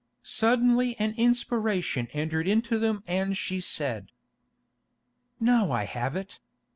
Suddenly an inspiration entered into them and she said: "Now I have it!